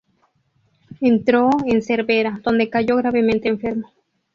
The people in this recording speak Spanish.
Entró en Cervera, donde cayó gravemente enfermo.